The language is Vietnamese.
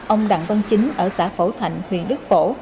ông đặng văn chính ở xã phổ thạnh huyện đức phổ